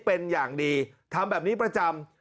เป็นอย่างดีทำแบบนี้ประจำ